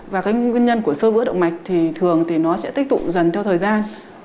và cái nguyên nhân của sơ vữa động mạch thì thường thì nó sẽ tích tụ dần theo thời gian